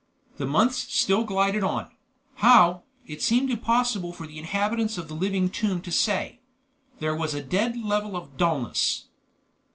The months still glided on; how, it seemed impossible for the inhabitants of the living tomb to say. There was a dead level of dullness.